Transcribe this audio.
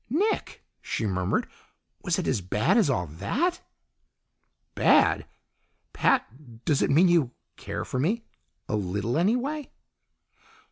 "Nick!" she murmured. "Was it as bad as all that?" "Bad! Pat, does it mean you care for me? A little, anyway?"